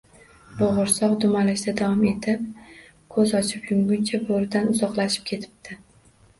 Bo’g’irsoq dumalashda davom etib, ko’z ochib yumguncha bo’ridan uzoqlashib ketibdi